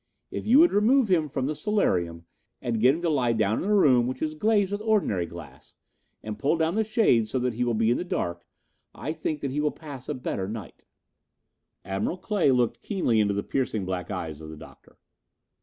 If you would remove him from the solarium and get him to lie down in a room which is glazed with ordinary glass, and pull down the shades so that he will be in the dark, I think that he will pass a better night." Admiral Clay looked keenly into the piercing black eyes of the Doctor.